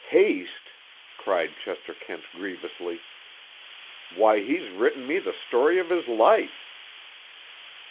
"Haste!" cried Chester Kent grievously. "Why, he's written me the story of his life!"